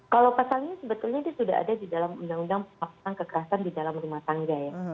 kalau pasal ini sebetulnya dia sudah ada di dalam undang undang pemaksaan kekerasan di dalam rumah tangga ya